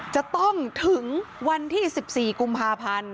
จะต้องถึงวันที่๑๔กุมภาพันธ์